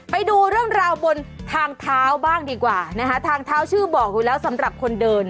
ไปดูเรื่องราวบนทางเท้าบ้างดีกว่านะคะทางเท้าชื่อบอกอยู่แล้วสำหรับคนเดิน